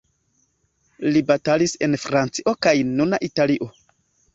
Li batalis en Francio kaj nuna Italio.